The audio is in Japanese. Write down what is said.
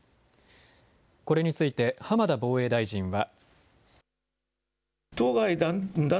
これについて、浜田防衛大臣は。